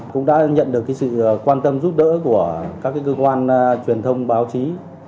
cũng đã nhận được sự quan tâm giúp đỡ của các cơ quan truyền thông báo chí